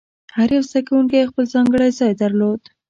هر یو زده کوونکی خپل ځانګړی ځای درلود.